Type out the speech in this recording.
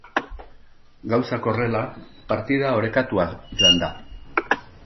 Gauzak horrela, partida orekatua joan da.